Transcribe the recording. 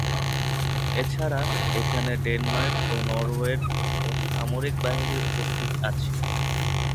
এছাড়া এখানে ডেনমার্ক ও নরওয়ের ও সামরিক বাহিনীর উপস্থিত আছে।